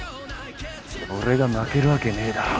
俺が負けるわけねえだろ